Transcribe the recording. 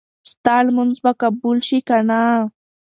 ستا لمونځ به قبول شي که نه؟